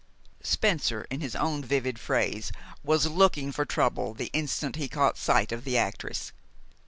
Spencer, in his own vivid phrase, was "looking for trouble" the instant he caught sight of the actress.